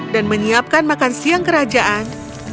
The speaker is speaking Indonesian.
dan menyiapkan makan siang kerajaan